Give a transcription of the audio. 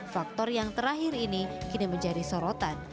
faktor yang terakhir ini kini menjadi sorotan